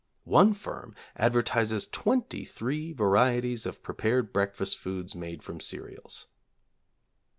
(One firm advertises twenty three varieties of prepared breakfast foods made from cereals.)